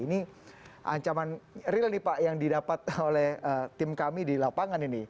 ini ancaman real nih pak yang didapat oleh tim kami di lapangan ini